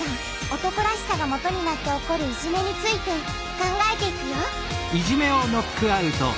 「男らしさ」がもとになって起こる「いじめ」について考えていくよ